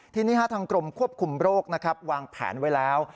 ทีนี้ทางกรมควบคุมโรคนะครับวางแผนไว้แล้ว